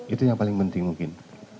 itu yang paling penting mungkin